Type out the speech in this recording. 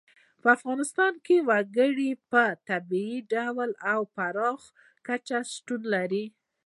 په افغانستان کې وګړي په طبیعي ډول او پراخه کچه شتون لري.